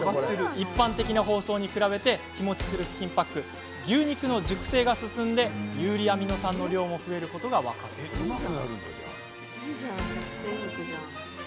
一般的な包装に比べ日もちするスキンパックは牛肉の熟成が進み遊離アミノ酸の量も増えることが分かっています。